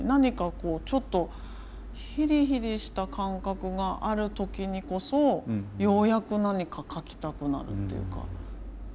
こうちょっとヒリヒリした感覚がある時にこそようやく何か書きたくなるっていうか。